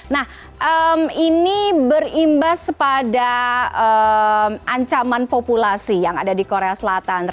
nah ini berimbas pada ancaman populasi yang ada di korea selatan